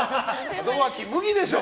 門脇麦でしょ！